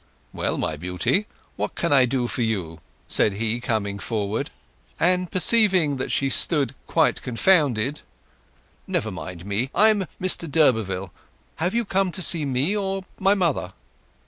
"Well, my Beauty, what can I do for you?" said he, coming forward. And perceiving that she stood quite confounded: "Never mind me. I am Mr d'Urberville. Have you come to see me or my mother?"